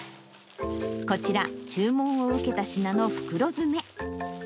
こちら、注文を受けた品の袋詰め。